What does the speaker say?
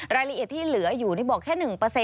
รายละเอียดที่เหลืออยู่นี่บอกแค่๑